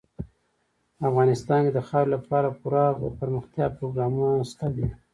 افغانستان کې د خاورې لپاره پوره دپرمختیا پروګرامونه شته دي.